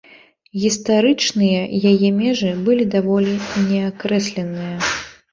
Гістарычныя яе межы былі даволі неакрэсленыя.